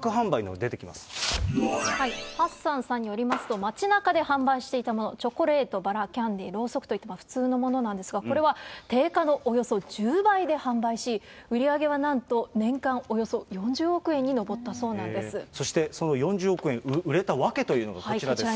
高ハッサンさんによりますと、街なかで販売していたもの、チョコレート、バラ、キャンディー、ロウソクといった普通のものなんですが、これは定価のおよそ１０倍で販売し、売り上げはなんと、年間およそ４０億円に上ったそうそして、その４０億円売れた訳というのがこちらです。